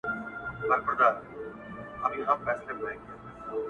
انصاف تللی دی له ښاره د ځنګله قانون چلیږي!!